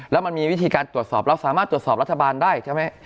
แล้วมันมีวิธีการตรวจสอบเราสามารถตรวจสอบรัฐบาลได้ใช่ไหม